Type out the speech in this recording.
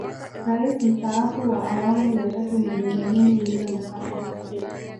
Rais Mstaafu wa Awamu ya tatu ni Benjamini William Mkapa